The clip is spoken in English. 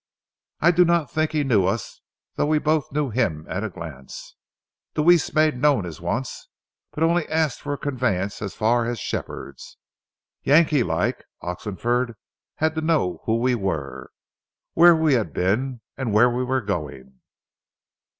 I do not think he knew us, though we both knew him at a glance. Deweese made known his wants, but only asked for a conveyance as far as Shepherd's. Yankeelike, Oxenford had to know who we were, where we had been, and where we were going.